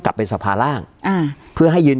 การแสดงความคิดเห็น